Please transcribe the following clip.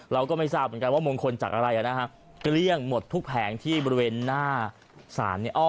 เราก็ไม่ทราบเหมือนกันว่ามงคลจากอะไรนะฮะเกลี้ยงหมดทุกแผงที่บริเวณหน้าศาลเนี่ย